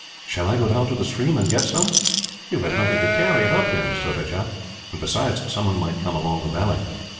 "Shall I go down to the stream, and get some?" "You have nothing to carry it up in, Surajah; and besides, someone might come along the valley."